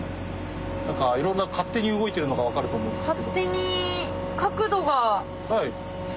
何かいろんな勝手に動いてるのが分かると思うんですけど。